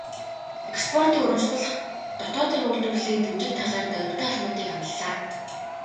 Экспортыг урамшуулах, дотоодын үйлдвэрлэлийг дэмжих талаар дорвитой алхмуудыг амлалаа.